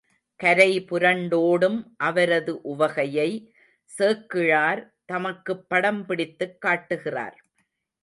கரை புரண்டோடும் அவரது உவகையை சேக்கிழார் தமக்குப் படம் பிடித்துக் காட்டுகிறார்.